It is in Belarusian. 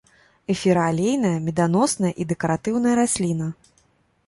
Эфіраалейная, меданосная і дэкаратыўная расліна.